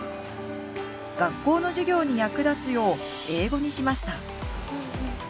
学校の授業に役立つよう英語にしました。